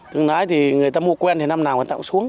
đồng nai thì người ta mua quen thì năm nào người ta cũng xuống